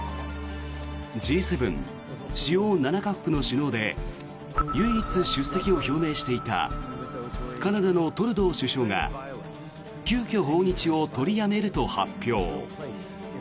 Ｇ７・主要７か国の首脳で唯一、出席を表明していたカナダのトルドー首相が急きょ訪日を取りやめると発表。